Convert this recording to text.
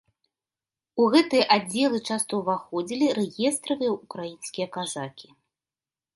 У гэтыя аддзелы часта ўваходзілі рэестравыя ўкраінскія казакі.